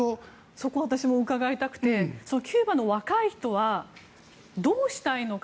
そこは私も伺いたくてキューバの若い人はどうしたいのか。